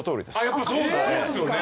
やっぱりそうですよね。